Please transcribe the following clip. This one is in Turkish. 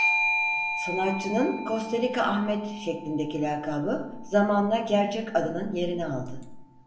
Sanatçının "Kostarika Ahmet" şeklindeki lakabı zamanla gerçek adının yerini aldı.